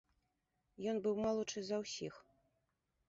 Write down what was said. Ён быў малодшы за ўсіх.